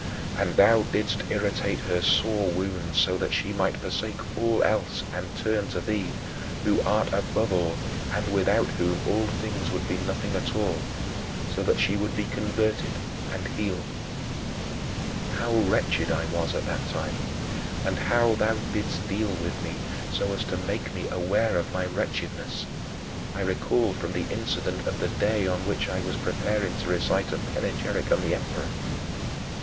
And thou didst irritate her sore wound so that she might forsake all else and turn to thee who art above all and without whom all things would be nothing at all so that she should be converted and healed. How wretched I was at that time, and how thou didst deal with me so as to make me aware of my wretchedness, I recall from the incident of the day on which I was preparing to recite a panegyric on the emperor.